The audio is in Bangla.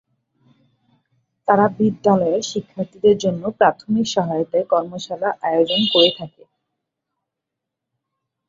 তারা বিদ্যালয়ের শিক্ষার্থীদের জন্য প্রাথমিক সহায়তার কর্মশালা আয়োজন করে থাকে।